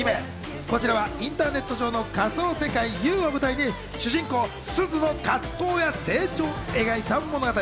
こちらはインターネット上の仮想世界Ｕを舞台に、主人公・すずの葛藤や成長を描いた物語。